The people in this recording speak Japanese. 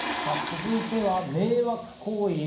続いては迷惑行為。